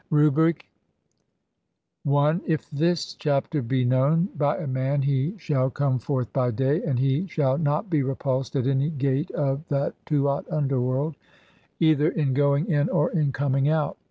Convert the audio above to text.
Rubric 2 : I. [if this chapter be known] by a man he shall comb FORTH BY DAY, (23) AND HE SHALL NOT BE REPULSED AT ANY GAT IS OF THE TUAT (UNDERWORLD), EITHER IN GOING IN OR IN COMING OUT.